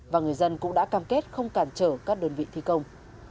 và người dân cũng đã cam kết không cản trở các đơn vị thi công